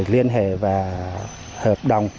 liên hệ và hợp đồng